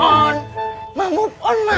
ya kalau kamu sudah berubah